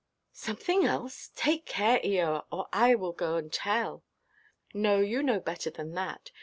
"Something else! Take care, Eoa, or I will go and tell." "No, you know better than that.